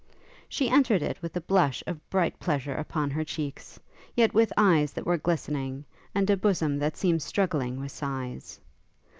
She entered it with a blush of bright pleasure upon her cheeks; yet with eyes that were glistening, and a bosom that seemed struggling with sighs.